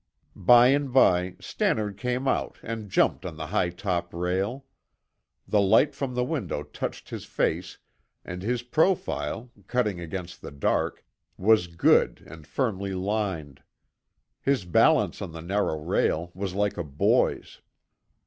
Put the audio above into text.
By and by Stannard came out and jumped on the high top rail. The light from the window touched his face, and his profile, cutting against the dark, was good and firmly lined. His balance on the narrow rail was like a boy's.